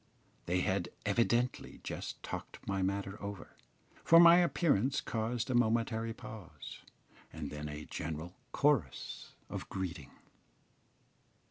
They had evidently just talked my matter over, for my appearance caused a momentary pause, and then a general chorus of greeting.